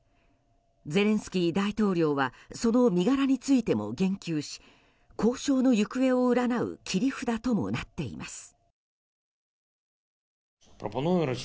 ゼレンスキー大統領はその身柄についても言及し交渉の行方を占う切り札ともなっています。